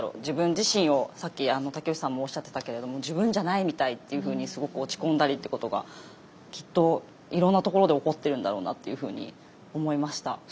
自分自身をさっき武内さんもおっしゃってたけれども自分じゃないみたいっていうふうにすごく落ち込んだりっていうことがきっといろんなところで起こってるんだろうなというふうに思いました。